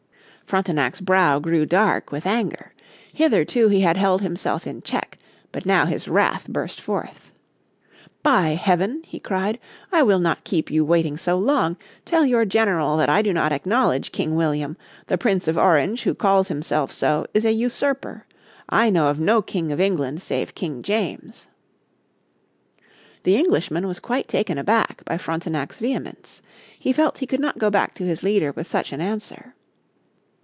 Frontenac's brow grew dark with anger. Hitherto he had held himself in check, but now his wrath burst forth. "By heaven," he cried, "I will not keep you waiting so long. Tell your General that I do not acknowledge King William. The Prince of Orange who calls himself so is a usurper. I know of no king of England save King James." The Englishman was quite taken aback by Frontenac's vehemence. He felt he could not go back to his leader with such an answer.